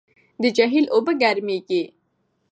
د جهیل اوبه ګرمېږي.